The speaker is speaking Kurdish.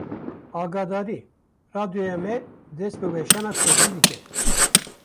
Agahdarî! Radyoya me dest bi weşana Kurdî dike